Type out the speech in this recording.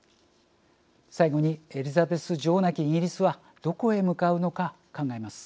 最後にエリザベス女王なきイギリスはどこへ向かうのか考えます。